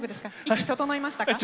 息整いましたか？